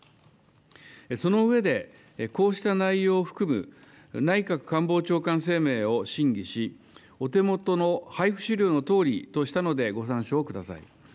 その上で、こうした内容を含む内閣官房長官声明を審議し、お手元の配布資料のとおりとしたのでご参照ください。